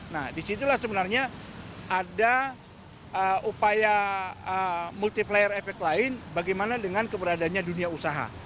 nah disitulah sebenarnya ada upaya multiplier efek lain bagaimana dengan keberadaannya dunia usaha